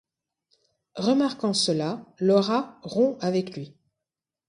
Remarquant cela, Laura rompt avec lui.